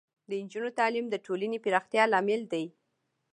د نجونو تعلیم د ټولنې پراختیا لامل دی.